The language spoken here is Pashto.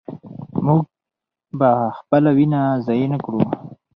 موږ به خپله وینه ضایع نه کړو.